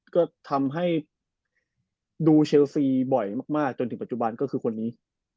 ก็ทำให้ดูเชลซีบ่อยมากจนถึงปัจจุบันก็คือคนนี้